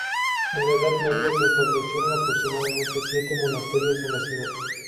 En la Edad Media se establecieron aproximadamente siete monasterios en la ciudad.